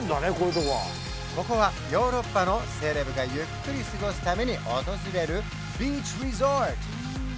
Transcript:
ここはヨーロッパのセレブがゆっくり過ごすために訪れるビーチリゾート